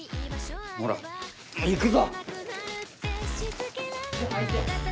ほら行くぞ！